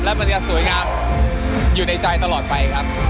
แล้วมันจะสวยงามอยู่ในใจตลอดไปครับ